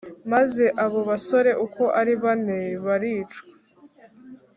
Maze abo basore uko ari bane baricwa